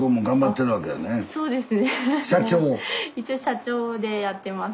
一応社長でやってます。